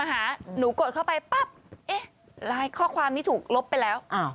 หนูถามใครอ่ะเธอใครอ่ะ